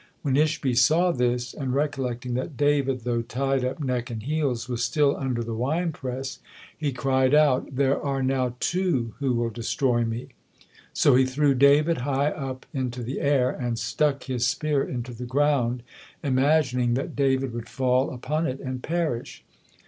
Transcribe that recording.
When Ishbi saw this, and recollecting that David, though tied up neck and heels, was still under the wine press, he cried out. "There are now two who will destroy me!" So he threw David high up into the air, and stuck his spear into the ground, imagining that David would fall upon it and perish.